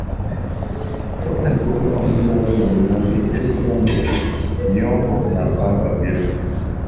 Otandika okulaba munno bw'ali omuyombi era ekiva mu ekyo nnyombo na nsambaggere.